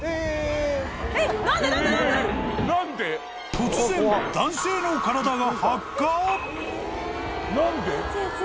［突然男性の体が］